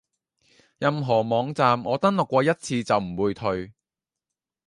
任何網站我登錄過一次就唔會退